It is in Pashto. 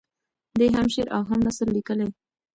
دی هم شعر او هم نثر لیکي.